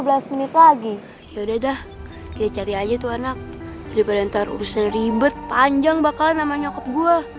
lagi ya udah dah kita cari aja tuh anak daripada taruh urusan ribet panjang bakalan sama nyokap gua